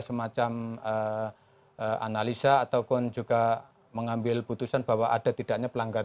semacam analisa ataupun juga mengambil putusan bahwa ada tidaknya pelanggaran